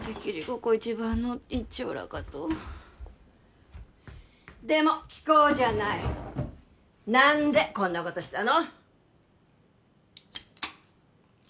ここ一番の一張羅かとでも聞こうじゃない何でこんなことしたの？